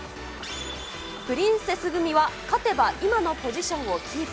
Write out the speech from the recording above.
プリンセス組は、勝てば、今のポジションをキープ。